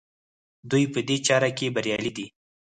دوی په دې چاره کې بریالي دي.